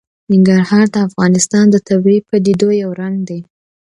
ننګرهار د افغانستان د طبیعي پدیدو یو رنګ دی.